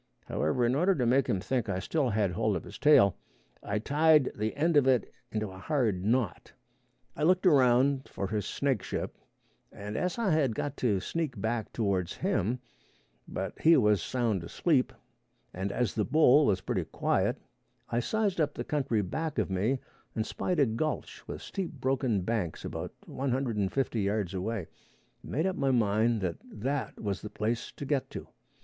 However, in order to make him think I still had hold of his tail, I tied the end of it into a hard knot. I looked around for his snakeship, as I had got to sneak back towards him, but he was sound asleep, and as the bull was pretty quiet, I sized up the country back of me and spied a gulch with steep broken banks about one hundred and fifty yards away, and made up my mind that that was the place to get to.